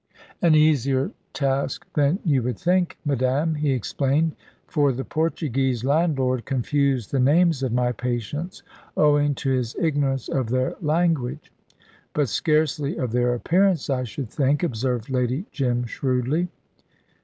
"An easier task than you would think, madame," he explained; "for the Portuguese landlord confused the names of my patients, owing to his ignorance of their language." "But scarcely of their appearance, I should think," observed Lady Jim, shrewdly.